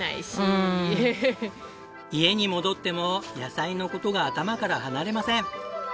家に戻っても野菜の事が頭から離れません。